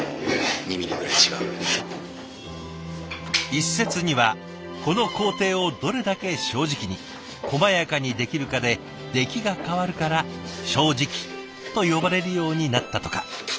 一説にはこの工程をどれだけ正直にこまやかにできるかで出来が変わるから「正直」と呼ばれるようになったとか。